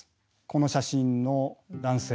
この写真の男性